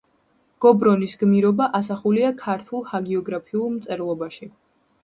გობრონის გმირობა ასახულია ქართულ ჰაგიოგრაფიულ მწერლობაში.